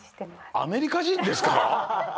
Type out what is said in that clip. アメリカじんですか？